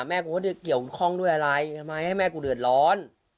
กูไม่ได้เกี่ยวข้องด้วยอะไรทำไมให้แม่กูเดือดร้อน